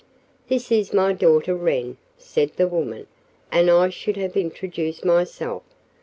"This is my daughter Wren," said the woman, "and I should have introduced myself.